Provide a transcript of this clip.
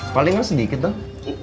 palingan sedikit dong